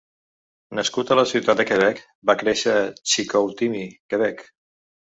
Nascut a la ciutat de Quebec, va créixer a Chicoutimi, Quebec.